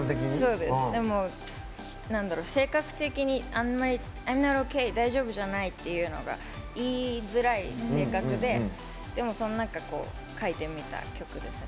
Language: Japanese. でも、性格的に「Ｉ’ｍＮｏｔＯＫ」「大丈夫じゃない」っていうのが言いづらい性格でその中、書いてみた曲ですね。